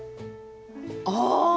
ああ！